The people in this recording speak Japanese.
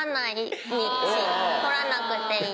撮らなくていい。